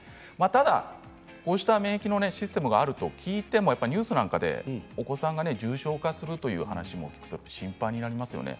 ただこうした免疫のシステムがあると聞いてもニュースなどでお子さんが重症化するという話を聞くと心配になりますよね。